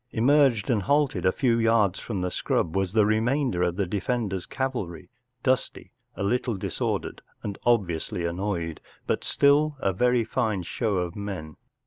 Emerged and halted a little from the scrub was the remainder of the defender’s cavalry, dusty, a little disordered and obviously annoyed, but still a very fine show of men.